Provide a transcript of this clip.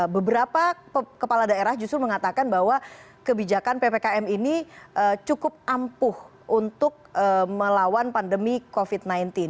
beberapa kepala daerah justru mengatakan bahwa kebijakan ppkm ini cukup ampuh untuk melawan pandemi covid sembilan belas